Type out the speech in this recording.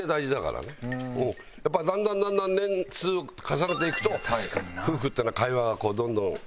やっぱりだんだんだんだん年数重ねていくと夫婦っていうのは会話がどんどんなくなってしまう。